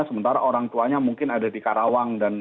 sementara orang tuanya mungkin ada di karawang